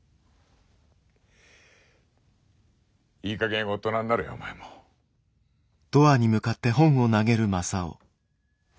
いいかげん大人になれよお前も。おい！